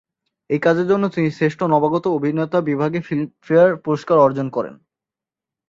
এই কাজের জন্য তিনি শ্রেষ্ঠ নবাগত অভিনেতা বিভাগে ফিল্মফেয়ার পুরস্কার অর্জন করেন।